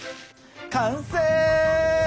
完成！